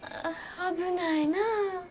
危ないなぁ。